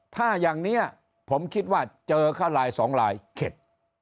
ถ้าอย่างนี้ผมคิดว่าเจอเข้าลายสองลายเข็ด